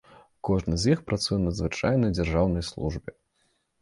Кожны з іх працуе на звычайнай дзяржаўнай службе.